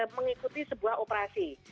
mengikuti sebuah operasi